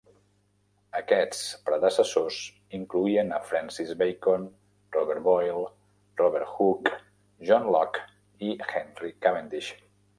Aquests predecessors incloïen a Francis Bacon, Robert Boyle, Robert Hooke, John Locke i Henry Cavendish.